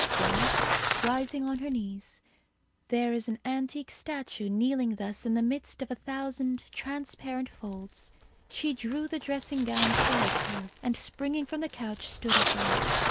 Then rising on her knees there is an antique statue kneeling thus in the midst of a thousand transparent folds she drew the dressing gown towards her, and springing from the couch stood upright.